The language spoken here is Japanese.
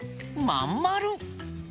まんまる！